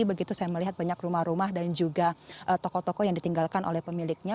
begitu saya melihat banyak rumah rumah dan juga toko toko yang ditinggalkan oleh pemiliknya